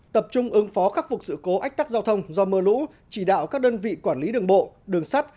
tập trung ứng phó khắc phục sự cố ách tắc giao thông do mưa lũ chỉ đạo các đơn vị quản lý đường bộ đường sắt